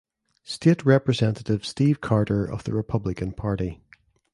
State Representative Steve Carter of the Republican Party.